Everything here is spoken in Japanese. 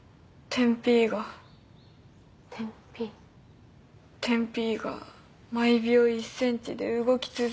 点Ｐが毎秒１ｃｍで動き続ける。